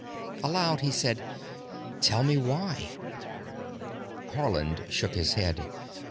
Aloud he said, "Tell me why." Haarland shook his head.